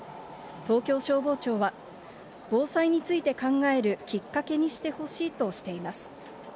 東京消防庁は、防災について考えるきっかけにしてほしいとしています。